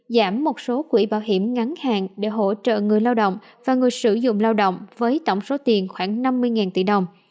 giảm một số quỹ bảo hiểm ngắn hạn để hỗ trợ người lao động và người sử dụng lao động với tổng số tiền khoảng năm mươi tỷ đồng